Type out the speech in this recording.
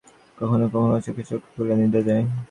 কখনও কখনও লোকে চক্ষু খুলিয়া নিদ্রা যায়।